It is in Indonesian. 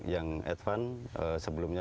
yang advance sebelumnya